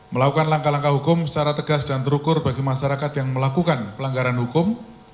melakukan langkah langkah hukum secara tegas dan terukur bagi masyarakat yang melakukan pelanggaran hukum